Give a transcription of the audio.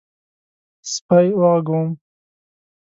_سپی وغږوم؟